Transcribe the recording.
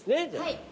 はい。